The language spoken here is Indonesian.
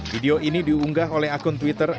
video ini diunggah oleh akun twitter